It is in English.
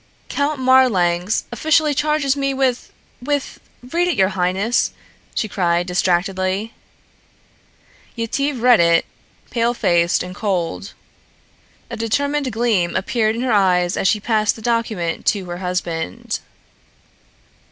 "Count Marlanx officially charges me with with Read it, your highness," she cried distractedly. Yetive read it, pale faced and cold. A determined gleam appeared in her eyes as she passed the document to her husband.